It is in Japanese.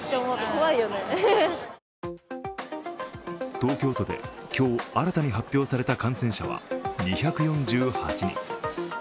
東京都で今日新たに発表された感染者は２４８人。